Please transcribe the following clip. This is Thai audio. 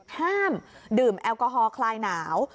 ห้ามดื่มแอลกอฮอลคลายหนาว